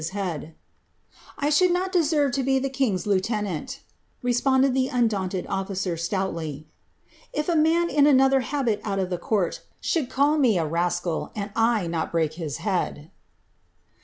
'^ I should not deserve to be the king's lieutenant," the undaunted officer, stoutly, ^ if a man in another habit out rt, should call me rascal, and I not break his head."